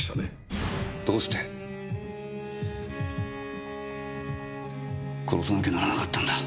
どうして殺さなきゃならなかったんだ？